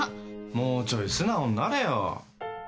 もうちょい素直になれよ。